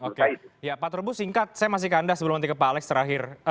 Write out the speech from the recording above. oke ya pak terbu singkat saya masih kandas sebelum nanti ke pak alex terakhir